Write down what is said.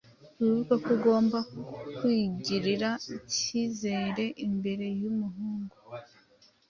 wibuke ko ugomba kwigirira icyizere imbere y’umuhungu